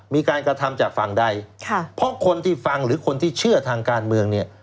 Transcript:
มีการกระทำจากฝั่งใดค่ะเพราะคนที่ฟังหรือคนที่เชื่อทางการเมืองเนี่ย